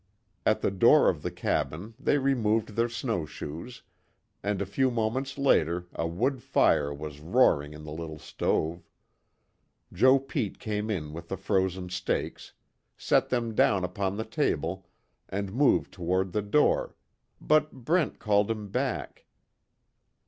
At the door of the cabin they removed their snowshoes, and a few moments later a wood fire was roaring in the little stove. Joe Pete came in with the frozen steaks, set them down upon the table, and moved toward the door, but Brent called him back.